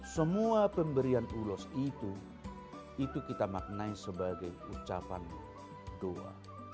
semua pemberian ulos itu itu kita maknai sebagai ucapan doa